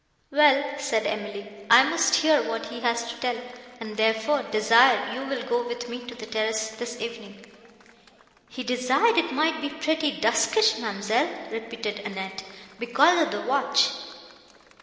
"Well," said Emily, "I must hear what he has to tell; and, therefore, desire you will go with me to the terrace, this evening." "He desired it might be pretty duskyish, ma'amselle," repeated Annette, "because of the watch."